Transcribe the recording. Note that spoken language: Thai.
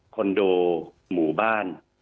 นโดหมู่บ้าน